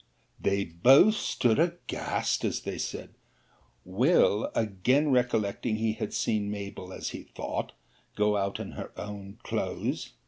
'They both stood aghast, as they said; Will, again recollecting he had seen Mabell, as he thought, go out in her own clothes.